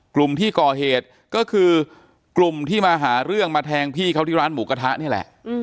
กลุ่มที่ก่อเหตุก็คือกลุ่มที่มาหาเรื่องมาแทงพี่เขาที่ร้านหมูกระทะนี่แหละ